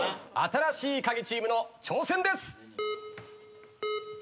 新しいカギチームの挑戦です。